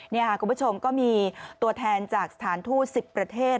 นี่ค่ะคุณผู้ชมก็มีตัวแทนจากสถานทูต๑๐ประเทศ